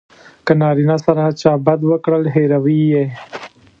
که نارینه سره چا بد وکړل هیروي یې.